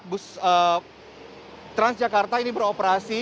bus transjakarta ini beroperasi